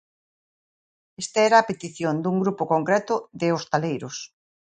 Esta era a petición dun grupo concreto de hostaleiros.